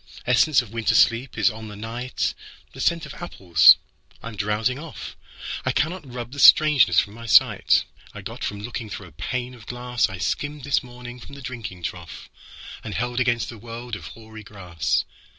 Essence of winter sleep is on the night, The scent of apples: I am drowsing off.I cannot rub the strangeness from my sightI got from looking through a pane of glassI skimmed this morning from the drinking troughAnd held against the world of hoary grass.